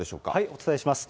お伝えします。